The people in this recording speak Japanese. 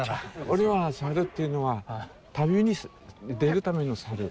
俺が「さる」って言うのは旅に出るための「去る」。